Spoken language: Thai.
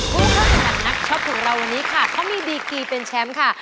ผู้เข้าแข่งขันนักช็อปของเราวันนี้ค่ะเขามีดีกีเป็นแชมป์ค่ะ